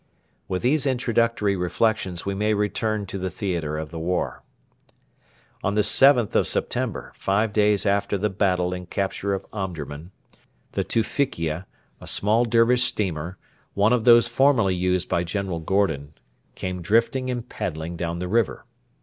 With these introductory reflections we may return to the theatre of the war. On the 7th of September, five days after the battle and capture of Omdurman, the Tewfikia, a small Dervish steamer one of those formerly used by General Gordon came drifting and paddling down the river.